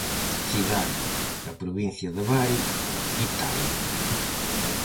Cidade da provincia de Bari, Italia.